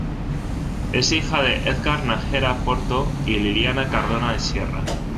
Es hija de Edgar Nájera Porto y Liliana Cardona Sierra.